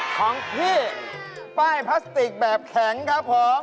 ของพี่ป้ายพลาสติกแบบแข็งครับผม